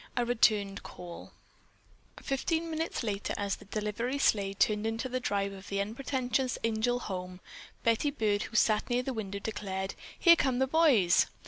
A RETURNED CALL Fifteen minutes later as the delivery sleigh turned into the drive of the unpretentious Angel home, Betty Byrd, who sat near the window, declared: "Here come the boys."